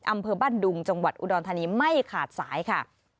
อำเภอบ้านดุงจังหวัดอุดรธานีไม่ขาดสายค่ะ